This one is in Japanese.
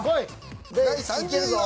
第３０位は。